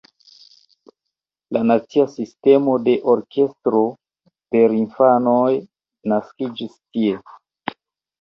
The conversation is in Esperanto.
La nacia sistemo de orkestro por infanoj naskiĝis tie.